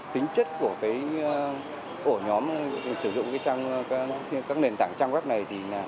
tính chất của nhóm sử dụng các nền tảng trang web này